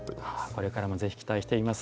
これからもぜひ期待しています。